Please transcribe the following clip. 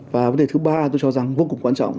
và vấn đề thứ ba tôi cho rằng vô cùng quan trọng